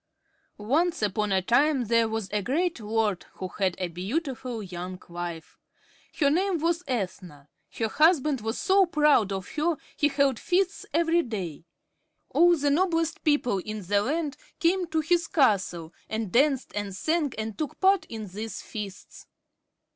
Once upon a time there was a great lord, who had a beautiful young wife. Her name was Ethna. Her husband was so proud of her, he held feasts every day. All the noblest people in the land came to his castle and danced and sang and took part in these feasts.